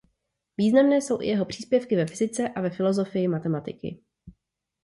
Významné jsou i jeho příspěvky ve fyzice a ve filozofii matematiky.